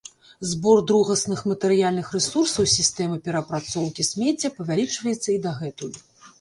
Збор другасных матэрыяльных рэсурсаў сістэмы пераапрацоўкі смецця павялічваецца і дагэтуль